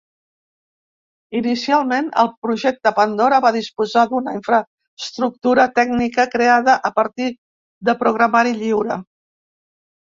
Inicialment, el projecte Pandora va disposar d'una infraestructura tècnica creada a partir de programari lliure.